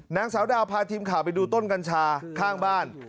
นางสาวดาวพาทีมข่าวไปดูต้นกัญชาข้างบ้าน